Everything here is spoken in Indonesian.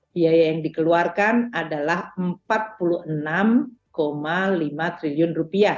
biaya yang dikeluarkan adalah rp empat puluh enam lima triliun